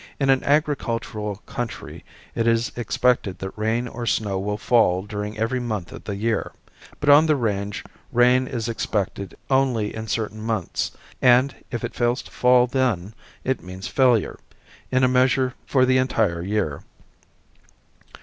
In an agricultural country it is expected that rain or snow will fall during every month of the year, but on the range rain is expected only in certain months and, if it fails to fall then, it means failure, in a measure, for the entire year.